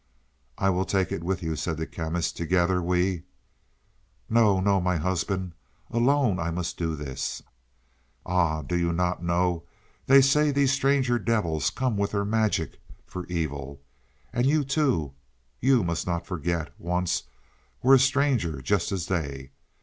"I will take it with you," said the Chemist. "Together we " "No, no, my husband. Alone I must do this. Ah, do you not know they say these stranger devils with their magic come for evil? And you too, must you not forget, once were a stranger just as they.